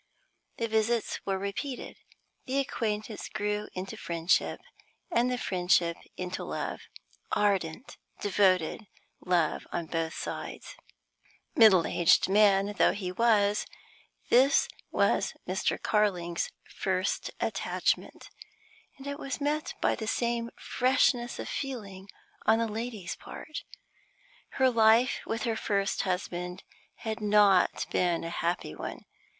The visits were repeated; the acquaintance grew into friendship, and the friendship into love ardent, devoted love on both sides. Middle aged man though he was, this was Mr. Carling's first attachment, and it was met by the same freshness of feeling on the lady's part. Her life with her first husband had not been a happy one.